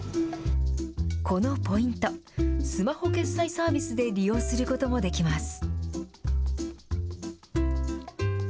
このポイント、スマホ決済サービスで利用することもできます。